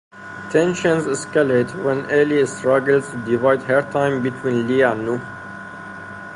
Tensions escalate when Elle struggles to divide her time between Lee and Noah.